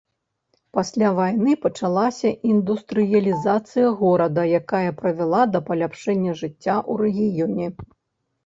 Пасля вайны пачалася індустрыялізацыя горада, якая прывяла да паляпшэння жыцця ў рэгіёне.